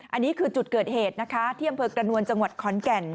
อันนี้คือจุดเกิดเหตุนะคะที่อำเภอกระนวลจังหวัดขอนแก่น